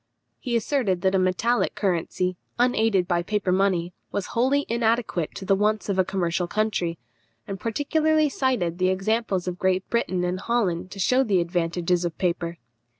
He asserted that a metallic currency, unaided by a paper money, was wholly inadequate to the wants of a commercial country, and particularly cited the examples of Great Britain and Holland to shew the advantages of paper.